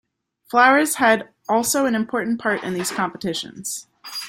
Flowers had also an important part in these competitions.